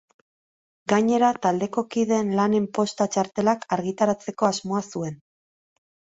Gainera taldeko kideen lanen posta txartelak argitaratzeko asmoa zuen.